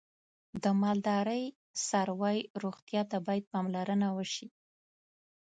د مالدارۍ څاروی روغتیا ته باید پاملرنه وشي.